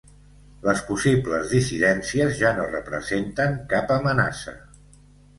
Les possibles dissidències ja no representen cap amenaça.